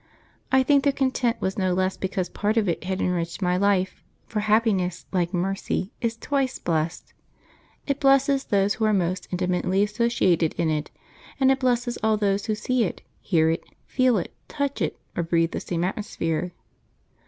I think their content was no less because part of it had enriched my life, for happiness, like mercy, is twice blessed; it blesses those who are most intimately associated in it, and it blesses all those who see it, hear it, feel it, touch it, or breathe the same atmosphere.